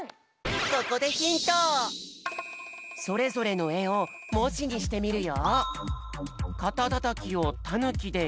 ここでそれぞれのえをもじにしてみるよ。